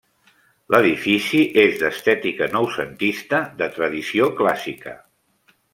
L'edifici és d'estètica noucentista, de tradició clàssica.